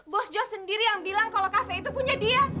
bos jos sendiri yang bilang kalau kafe itu punya dia